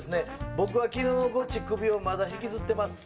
僕はきのうのゴチクビをまだ引きずってます。